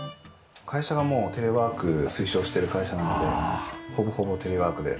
会社がもうテレワーク推奨してる会社なのでほぼほぼテレワークで。